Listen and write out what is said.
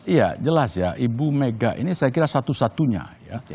iya jelas ya ibu mega ini saya kira satu satunya ya